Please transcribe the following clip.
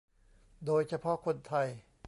โดยเฉพาะคนไทย